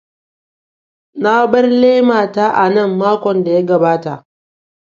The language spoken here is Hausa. Na bar laima ta a nan makon da ya gabata.